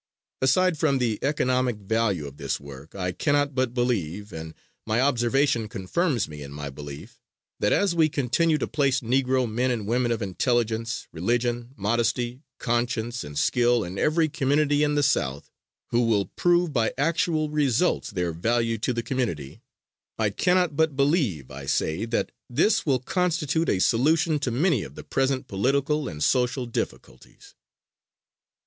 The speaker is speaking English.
Aside from the economic value of this work I cannot but believe, and my observation confirms me in my belief, that as we continue to place Negro men and women of intelligence, religion, modesty, conscience and skill in every community in the South, who will prove by actual results their value to the community, I cannot but believe, I say, that this will constitute a solution to many of the present political and social difficulties.